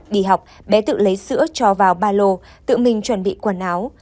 đi học bé tự lấy sữa cho vào ba lô tự mình chuẩn bị quần áo